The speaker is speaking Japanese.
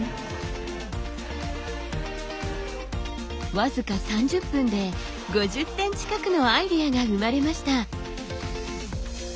僅か３０分で５０点近くのアイデアが生まれました。